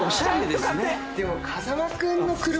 でも。